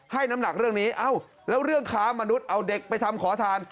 ให้น้ำหนักเรื่องนี้เอ้าแล้วเรื่องค้ามนุษย์เอาเด็กไปทำขอทาน